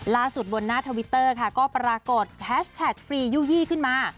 บนหน้าทวิตเตอร์ค่ะก็ปรากฏแฮชแท็กฟรียู่ยี่ขึ้นมา